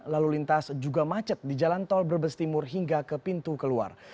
lalu lintas juga macet di jalan tol brebes timur hingga ke pintu keluar